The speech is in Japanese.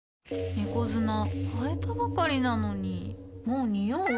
猫砂替えたばかりなのにもうニオう？